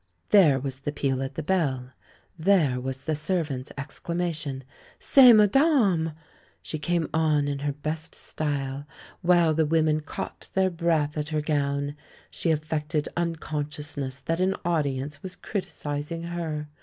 There was the peal at the bell; there was the servant's exclamation, "C'est madame!" ... She came on in her best style — ^while the wom en caught their breath at her gown ; she affected unconsciousness that an audience was criticising her.